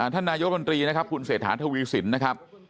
ท่านนายกรมนตรีนะครับคุณเศรษฐาทวีสินนะครับ